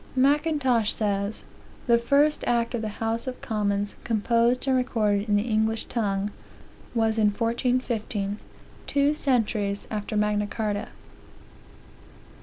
Mackintosh says, "the first act of the House of Commons composed and recorded in the English tongue," was in 1415, two centuries after Magna Carta.